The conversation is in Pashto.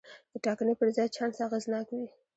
د ټاکنې پر ځای چانس اغېزناک وي.